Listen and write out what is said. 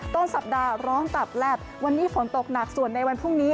ต้นสัปดาห์ร้อนตับแลบวันนี้ฝนตกหนักส่วนในวันพรุ่งนี้